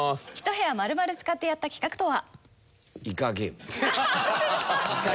一部屋まるまる使ってやった企画とは？